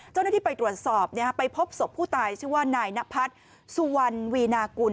เจ้าหน้าที่ไปตรวจสอบไปพบศพผู้ตายชื่อว่านายนพัฒน์สุวรรณวีนากุล